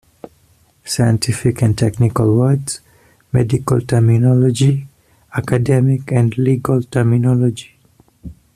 Scientific and technical words, medical terminology, academic and legal terminology.